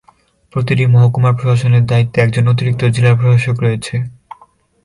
প্রতিটি মহকুমা প্রশাসনের দায়িত্বে একজন অতিরিক্ত জেলা প্রশাসক রয়েছে।